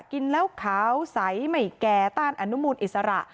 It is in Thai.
กินแล้วขาวใสไม่แก่ต้านอนุมูลอิสระ